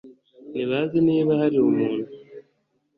ntibazi niba hari umuntu